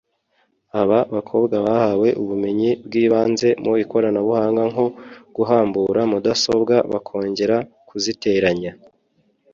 aba bakobwa bahawe ubumenyi bw’ibanze mu ikoranabuhanga nko guhambura mudasobwa bakongera kuziteranya